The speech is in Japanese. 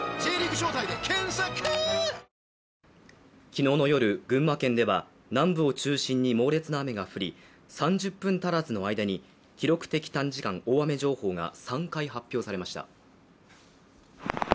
昨日の夜、群馬県では南部を中心に猛烈な雨が降り３０分足らずの間に、記録的短時間大雨情報が３回発表されました。